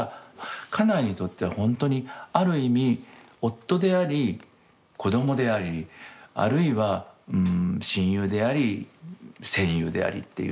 家内にとってはほんとにある意味夫であり子供でありあるいは親友であり戦友でありっていう。